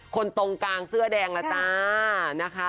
คนตรงกลางเสื้อแดงล่ะจ้า